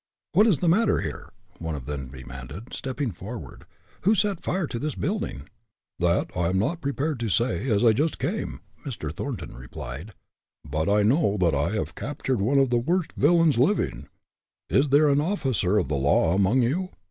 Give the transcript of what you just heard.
"What is the matter here?" one of them demanded, stepping forward. "Who set fire to this building?" "That I am not prepared to say, as I just came," Mr. Thornton replied, "but I know that I have captured one of the worst villains living. Is there an officer of the law among you?